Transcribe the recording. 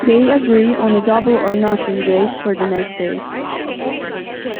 They agree on a double or nothing race for the next day.